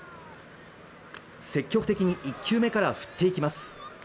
積極的に１球目から振っていきます。